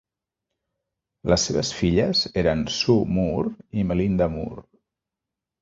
Les seves filles eren Sue Moore i Melinda Moore.